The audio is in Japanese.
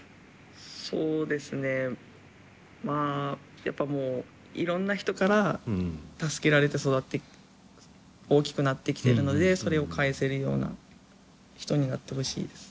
そうですねまあやっぱもういろんな人から助けられて育って大きくなってきてるのでそれを返せるような人になってほしいです。